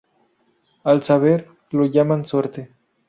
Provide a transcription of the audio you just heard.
Al saber lo llaman suerte